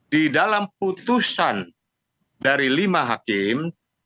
di dalam putusan dari lima hakim